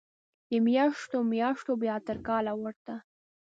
د میاشتو، میاشتو بیا تر کال ووته